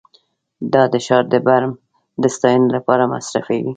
دا د ښار د برم د ستاینې لپاره مصرفوي